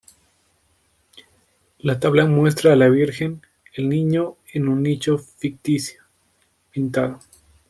La tabla muestra a la Virgen y el Niño en un nicho ficticio, pintado.